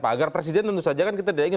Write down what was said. agar presiden tentu saja kan kita tidak ingin